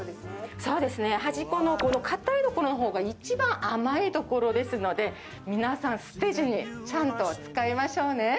そうですね、端っこの硬いところのほうが一番甘いところですので、皆さん、捨てずにちゃんと使いましょうね。